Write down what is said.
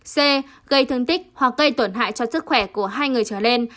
c gây thương tích hoặc gây tổn hại cho sức khỏe của hai người trở lên